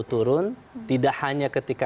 turun tidak hanya ketika